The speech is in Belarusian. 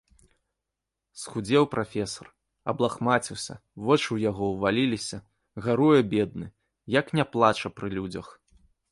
Схудзеў прафесар, аблахмаціўся, вочы ў яго ўваліліся, гаруе бедны, як не плача пры людзях.